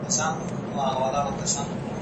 آيا تاسو په دې کيسه کې کوم بل حقيقت وينئ؟